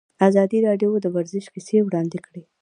ازادي راډیو د ورزش کیسې وړاندې کړي.